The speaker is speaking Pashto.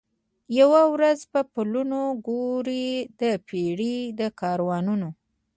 یوه ورځ به پلونه ګوري د پېړۍ د کاروانونو